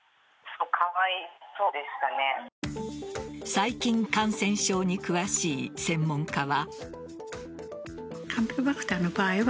細菌感染症に詳しい専門家は。